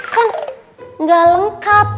kan gak lengkap